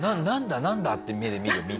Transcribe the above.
なんだなんだ？って目で見る？